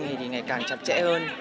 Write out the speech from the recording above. thì ngày càng chặt chẽ hơn